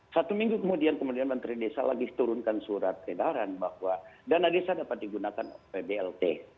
satu minggu kemudian kemudian menteri desa lagi turunkan surat edaran bahwa dana desa dapat digunakan pblt